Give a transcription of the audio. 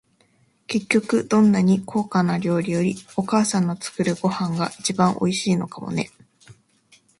結局、どんなに高価な料理より、お母さんの作るご飯が一番おいしいのかもね。